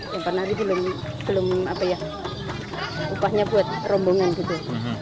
yang penari belum belum apa ya upahnya buat rombongan gitu